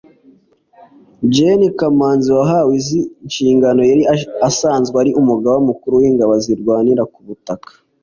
Gen Kamanzi wahawe izi nshingano yari asanzwe ari Umugaba Mukuru w’Ingabo Zirwanira ku Butaka